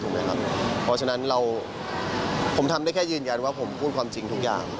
เพราะฉะนั้นผมทำได้แค่ยืนยันว่าผมพูดความจริงทุกอย่าง